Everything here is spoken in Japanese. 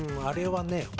あれはね」